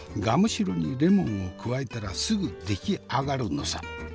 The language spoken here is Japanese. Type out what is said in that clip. ガムシロにレモンを加えたらすぐ出来上がるのさ。